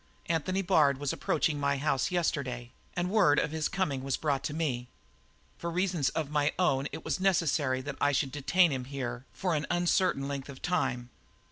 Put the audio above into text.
Anthony Bard was approaching my house yesterday and word of his coming was brought to me. For reasons of my own it was necessary that I should detain him here for an uncertain length of time.